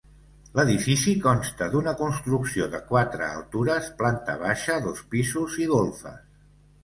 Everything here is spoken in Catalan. L'edifici consta d'una construcció de quatre altures, planta baixa, dos pisos i golfes.